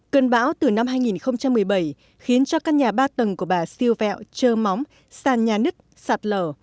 cơn bão từ năm hai nghìn một mươi bảy khiến cho căn nhà ba tầng của bà siêu vẹo trơ móng sàn nhà nứt sạt lở